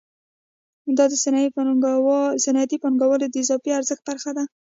دا د صنعتي پانګوال د اضافي ارزښت برخه ده